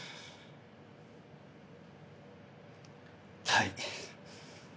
はい。